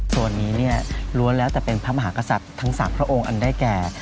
ส่วนนี้เนี่ยล้วนแล้วแต่เป็นพระมหากษัตริย์ทั้ง๓พระองค์อันได้แก่